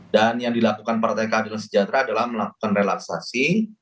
dan yang dilakukan partai kabilan sejahtera adalah melakukan relaksasi